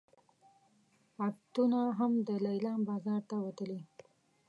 عفتونه هم د لیلام بازار ته وتلي.